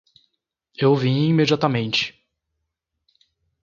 Eu vim imediatamente.